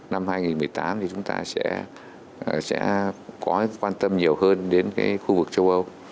năm hai nghìn một mươi tám thì chúng ta sẽ có quan tâm nhiều hơn đến khu vực châu âu